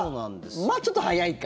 まあ、ちょっと早いか。